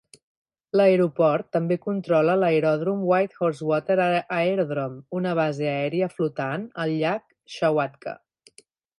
L'aeroport també controla l'aeròdrom Whitehorse Water Aerodrome, una base aèria flotant al llac Schwatka.